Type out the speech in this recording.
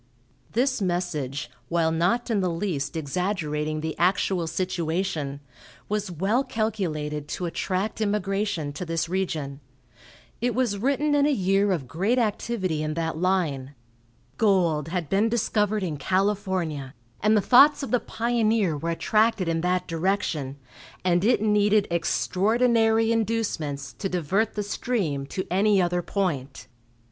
This message, while not in the least exaggerating the actual situation, was well calculated to attract immigration to this region. It was written in a year of great activity in that line. Gold had been discovered in California, and the thoughts of the pioneer were attracted in that direction, and it needed extraordinary inducements to divert the stream to any other point.